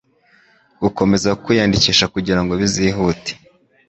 gukomeza kwiyandikisha kugira bizihute